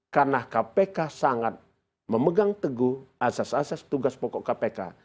karena kpk sangat memegang teguh asas asas tugas pokok kpk